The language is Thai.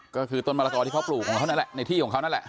ก็คือต้นมะละกอที่เขาปลูกของเขานั่นแหละในที่ของเขานั่นแหละ